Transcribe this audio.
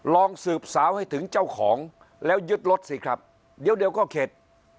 ลองสืบสาวให้ถึงเจ้าของแล้วยึดรถสิครับเดี๋ยวก็เข็ด